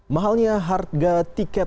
mahalnya harga tiket pesawat